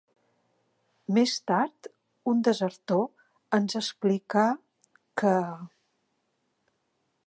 Més tard, un desertor ens explicà que...